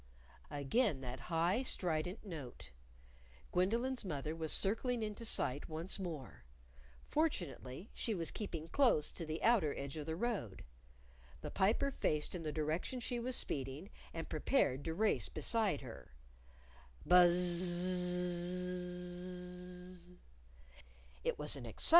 _ Again that high, strident note. Gwendolyn's mother was circling into sight once more. Fortunately, she was keeping close to the outer edge of the road. The Piper faced in the direction she was speeding, and prepared to race beside her. _BUZZ Z Z Z!